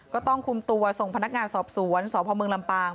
ก็ต้องคุมตัวส่งพนักงานสอบสวนสพเมืองลำปาง